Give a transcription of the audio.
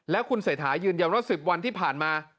แล้วคุณเสถายืนอย่างน้อย๑๐วันที่ผ่านมา